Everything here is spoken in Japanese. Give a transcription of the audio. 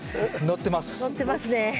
のってますね。